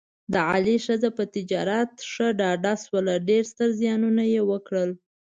د علي ښځه په تجارت کې ښه ډډه شوله، ډېر ستر زیانونه یې وکړل.